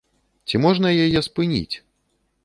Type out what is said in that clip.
Ці можна яе спыніць?